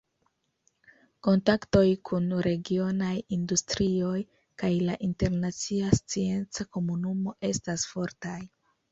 Kontaktoj kun regionaj industrioj kaj la internacia scienca komunumo estas fortaj.